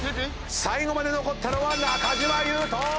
最後まで残ったのは中島裕翔！